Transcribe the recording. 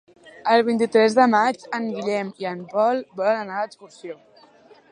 El vint-i-tres de maig en Guillem i en Pol volen anar d'excursió.